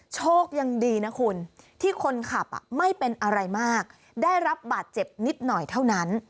โชคยังดีนะคุณที่คนขับไม่เป็นอะไรมากได้รับบาดเจ็บนิดหน่อยเท่านั้น